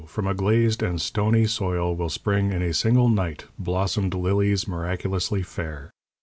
from a glazed and stony soil will spring in a single night blossomed lilies, miraculously fair.